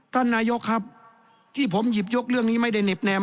ท่านนายกครับที่ผมหยิบยกเรื่องนี้ไม่ได้เน็บแนม